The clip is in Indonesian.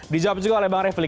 dijawab juga oleh bang refli